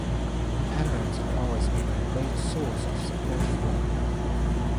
My parents have always been a great source of support for me.